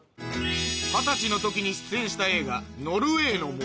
二十歳の時に出演した映画『ノルウェイの森』